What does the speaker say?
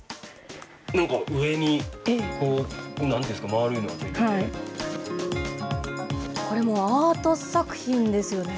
なんか、上になんていうんですか、これもアート作品ですよね。